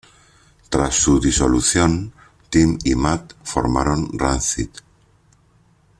Tras su disolución, Tim y Matt formaron Rancid.